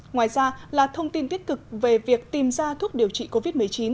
ngoài ra là thông tin tiết cực về việc tìm ra thuốc điều trị covid một mươi chín